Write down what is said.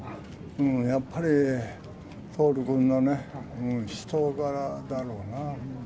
やっぱり徹君のね、人柄だろうな。